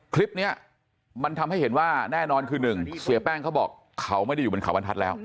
คลิปนี้มันทำให้เห็นว่าแน่นอนคือหนึ่งเสียแป้งเขาบอกเขาไม่ได้อยู่บนเขาบรรทัศน์แล้ว